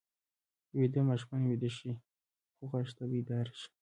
ویده ماشومان ویده شي خو غږ ته بیدار شي